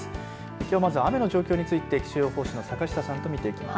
きょうまず雨の状況について坂下さんと見ていきます。